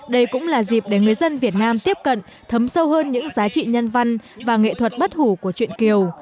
đây cũng là dịp để người dân việt nam tiếp cận thấm sâu hơn những giá trị nhân văn và nghệ thuật bất hủ của chuyện kiều